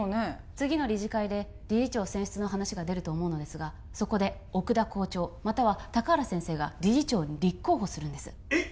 次の理事会で理事長選出の話が出ると思うのですがそこで奥田校長または高原先生が理事長に立候補するんですえっ